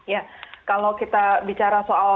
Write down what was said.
ya kalau kita bicara soal